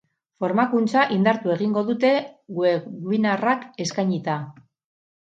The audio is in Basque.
Formakuntza indartu egingo dute webinarrak eskainita.